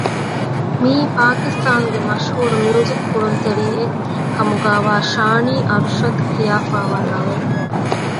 މިއީ ޕާކިސްތާނުގެ މަޝްހޫރު މިއުޒިކު ކުޅުންތެރިއެއް ކަމުގައިވާ ޝާނީ އަރްޝަދް ކިޔާފައިވާ ލަވައެއް